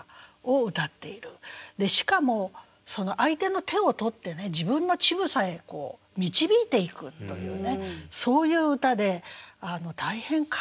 しかも相手の手を取って自分の乳房へ導いていくというねそういう歌で大変画期的ですね。